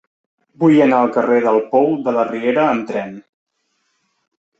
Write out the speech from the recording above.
Vull anar al carrer del Pou de la Riera amb tren.